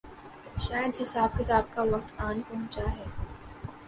شاید حساب کتاب کا وقت آن پہنچا ہے۔